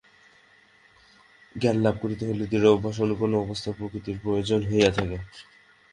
জ্ঞানলাভ করিতে হইলে দৃঢ় অভ্যাস, অনুকূল অবস্থা প্রভৃতির প্রয়োজন হইয়া থাকে।